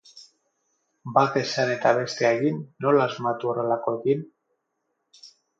Bat esan eta bestea egin, nola asmatu horrelakoekin?